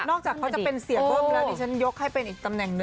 นอกจากเขาจะเป็นเสียบเบิ้ลเมื่อเดี๋ยวฉันยกให้เป็นอีกตำแหน่งนึง